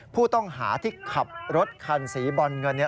ผู้ต้องหาที่ขับรถคันสีบอลเงิน